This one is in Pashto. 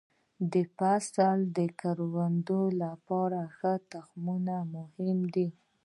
د فصلي کروندو لپاره ښه تخمونه مهم دي.